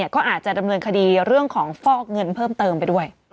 ก็อาจจะดำเนินคดีเรื่องของฟอกเงินเพิ่มเติมไปด้วย